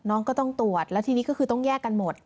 น้องก็ต้องตรวจแล้วทีนี้ก็คือต้องแยกกันหมด